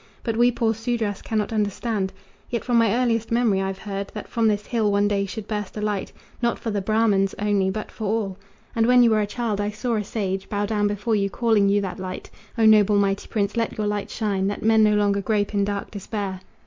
But we poor Sudras cannot understand Yet from my earliest memory I've heard That from this hill one day should burst a light, Not for the Brahmans only, but for all. And when you were a child I saw a sage Bow down before you, calling you that light. O noble, mighty prince! let your light shine, That men no longer grope in dark despair!"